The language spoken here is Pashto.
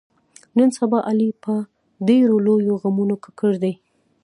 نن سبا علي په ډېرو لویو غمونو ککړ دی.